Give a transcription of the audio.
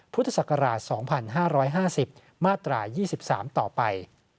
พุทธศักราช๒๕๕๐มาตรา๒๓ต่อไป